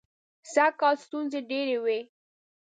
سږکال ستونزې ډېرې وې.